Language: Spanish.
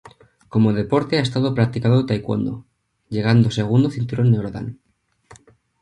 Como deporte ha estado practicando taekwondo, llegando segundo cinturón negro Dan.